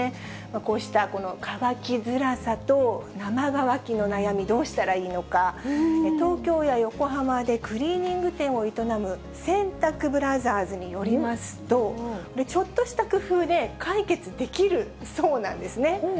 こうしたこの乾きづらさと生乾きの悩み、どうしたらいいのか、東京や横浜でクリーニング店を営む洗濯ブラザーズによりますと、ちょっとした工夫で解決できるそうなんですね。